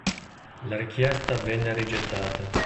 La richiesta venne rigettata.